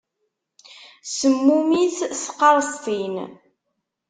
Semmumit tqaṛestin.